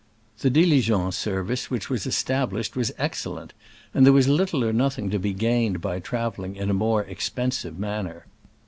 The diligence service which was established was ex cellent, and there was little or nothing to be gained by traveling in a more expensive manner.